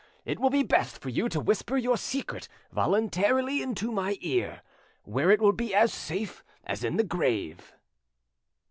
It will be best for you to whisper your secret voluntarily into my ear, where it will be as safe as in the grave."